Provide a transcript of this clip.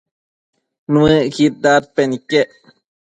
Nuëcquid dadpen iquec